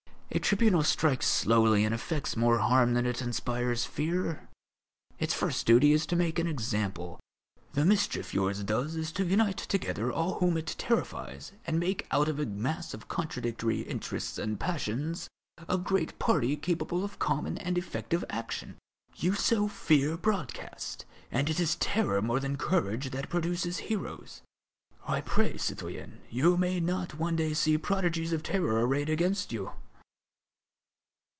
A tribunal strikes slowly and effects more harm than it inspires fear; its first duty is to make an example. The mischief yours does is to unite together all whom it terrifies and make out of a mass of contradictory interests and passions a great party capable of common and effective action. You sow fear broadcast, and it is terror more than courage that produces heroes; I pray, citoyen, you may not one day see prodigies of terror arrayed against you!"